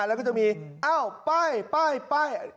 แล้วก็จะมีอ้าวป้ายป้าย